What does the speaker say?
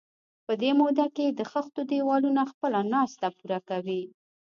په دې موده کې د خښتو دېوالونه خپله ناسته پوره کوي.